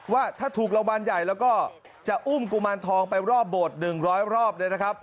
ว่าถ้าถูกรางวัลใหญ่แล้วก็จะอุ้มกุมารทองไปรอบโบสถ์๑๐๐รอบเนี่ยนะครับ